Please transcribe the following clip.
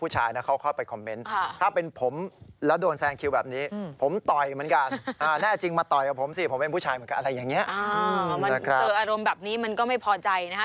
เจออารมณ์แบบนี้มันก็ไม่พอใจนะฮะ